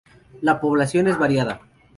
La población es variada.